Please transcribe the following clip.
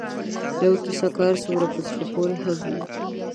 یوه کیسه که هر څومره په زړه پورې هم وي